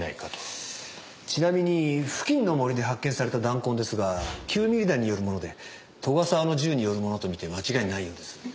ちなみに付近の森で発見された弾痕ですが９ミリ弾によるもので斗ヶ沢の銃によるものと見て間違いないようです。